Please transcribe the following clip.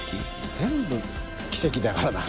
全部奇跡だからな。